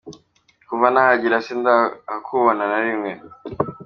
Kuva nahagera sindahakubona na rimwe.